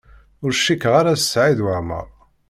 Ur cikkeɣ ara d Saɛid Waɛmaṛ.